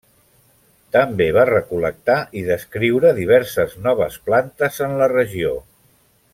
També va recol·lectar i descriure diverses noves plantes en la regió.